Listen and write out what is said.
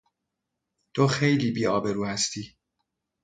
تو خیلی بیآبرو هستی!